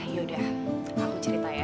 ya udah aku cerita ya